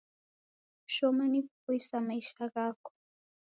Kushoma ni kupoisa maisha ghako